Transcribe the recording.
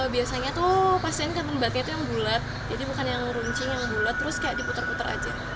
biasanya tuh pasien katen batnya yang bulat jadi bukan yang runcing yang bulat terus diputar putar aja